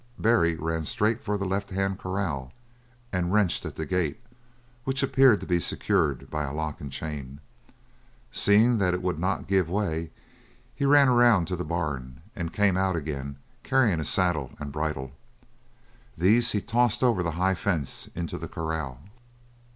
Barry ran straight for the left hand corral and wrenched at the gate, which appeared to be secured by a lock and chain. Seeing that it would not give way he ran around to the barn, and came out again carrying a saddle and bridle. These he tossed over the high fence into the corral.